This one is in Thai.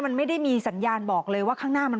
มันไม่ได้มีสัญญาณบอกเลยว่าข้างหน้ามัน